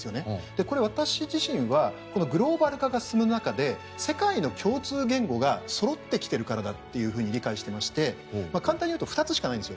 これ私自身はグローバル化が進む中で世界の共通言語がそろってきてるからだと理解していまして簡単に言うと２つしかないんです。